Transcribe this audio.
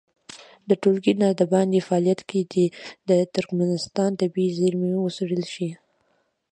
د ټولګي نه د باندې فعالیت کې دې د ترکمنستان طبیعي زېرمې وڅېړل شي.